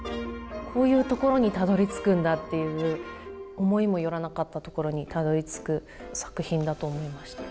こういうところにたどりつくんだっていう思いも寄らなかったところにたどりつく作品だと思いました。